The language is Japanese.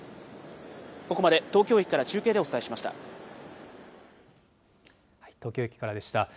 ここまで東京駅から中継でお伝え東京駅からでした。